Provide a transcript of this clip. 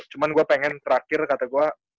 cuma gue pengen terakhir kata gue